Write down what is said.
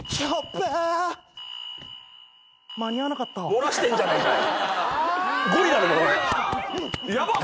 漏らしてんじゃねえかよ。